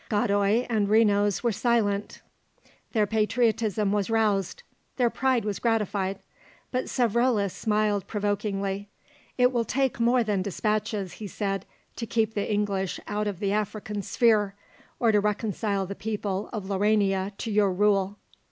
Godoy and Renos were silent. Their patriotism was roused; their pride was gratified; but Savrola smiled provokingly. "It will take more than despatches," he said, "to keep the English out of the African sphere, or to reconcile the people of Laurania to your rule."